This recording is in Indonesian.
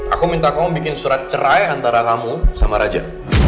aku minta kamu bikin surat cerai antara kamu sama raja